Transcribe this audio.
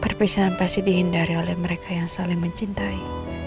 perpisahan pasti dihindari oleh mereka yang saling mencintai